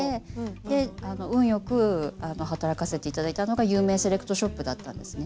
で運よく働かせて頂いたのが有名セレクトショップだったんですね。